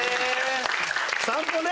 散歩ね！